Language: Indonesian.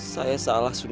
saya salah sunan